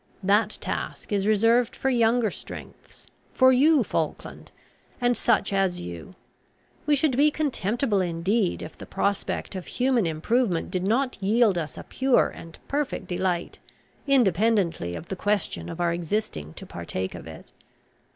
That task is reserved for younger strengths, for you, Falkland, and such as you. We should be contemptible indeed if the prospect of human improvement did not yield us a pure and perfect delight, independently of the question of our existing to partake of it.